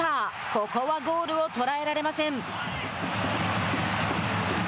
ここはゴールを捉えられません。